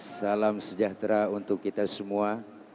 salam sejahtera untuk kita semua